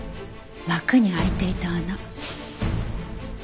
幕に開いていた穴。